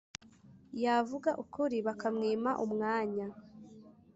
yavuga ukuri, bakamwima umwanya